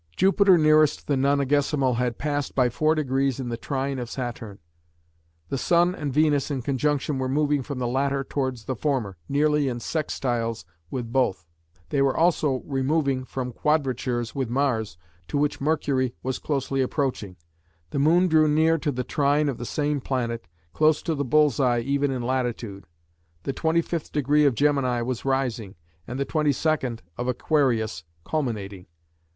"Jupiter nearest the nonagesimal had passed by four degrees the trine of Saturn; the Sun and Venus in conjunction were moving from the latter towards the former, nearly in sextiles with both: they were also removing from quadratures with Mars, to which Mercury was closely approaching: the moon drew near to the trine of the same planet, close to the Bull's Eye even in latitude. The 25th degree of Gemini was rising, and the 22nd of Aquarius culminating.